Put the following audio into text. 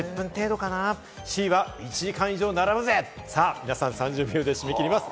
皆さん、３０秒で締め切ります。